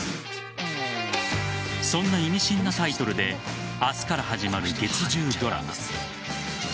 そんな意味深なタイトルで明日から始まる月１０ドラマ。